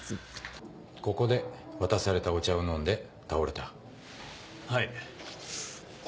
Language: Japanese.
ここで渡されたお茶を飲んで倒れた。